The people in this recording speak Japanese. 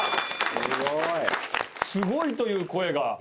「すごい」という声が。